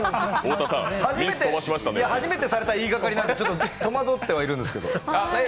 初めてされた言いがかりなんで、ちょっと戸惑ってはいるんですけど。